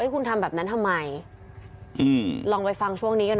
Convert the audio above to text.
หอบไปตรงวันต้อง